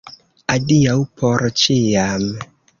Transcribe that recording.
Adiaŭ por ĉiam.